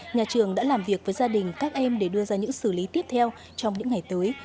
nhà trường đã làm việc với gia đình các em để đưa ra những xử lý tiếp theo trong những ngày tới